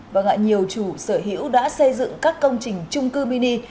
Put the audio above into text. vâng ạ nhiều chủ sở hữu đã xây dựng các công trình chung cư mini